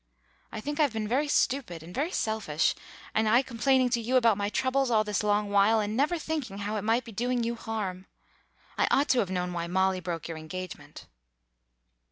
I think I've been very stupid and very selfish, and I complaining to you about my troubles all this long while, and never thinking how it might be doing you harm. I ought to have known why Molly broke your engagement."